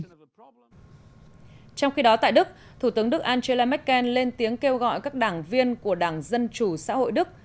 trong khi đó tại đức thủ tướng đức angela merkel lên tiếng kêu gọi các đảng viên của đảng dân chủ xã hội đức